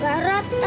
lara gak mau pulang